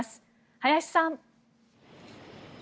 林さん。